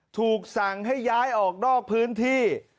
ถูกสั่งให้ย้ายออกนอกพื้นที่